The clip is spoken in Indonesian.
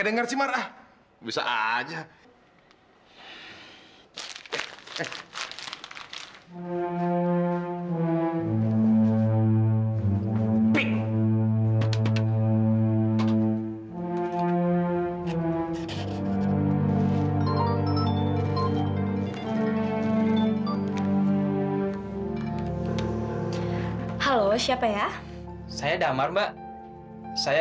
disuruh mita ya mas